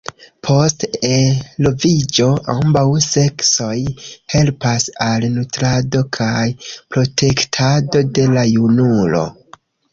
Post eloviĝo, ambaŭ seksoj helpas al nutrado kaj protektado de la junulo.